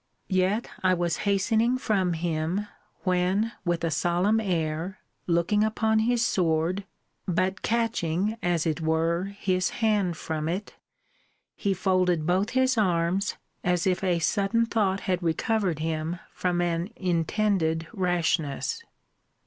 Yet I was hastening from him, when, with a solemn air, looking upon his sword, but catching, as it were, his hand from it, he folded both his arms, as if a sudden thought had recovered him from an intended rashness.